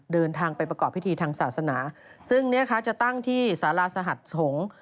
เดินทางไปประกอบพิธีทางศาสนาซึ่งเนี่ยค่ะจะตั้งที่สาราสหัสสงศ์